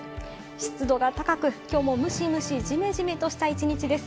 湿度が高く、きょうもムシムシ、ジメジメとした一日です。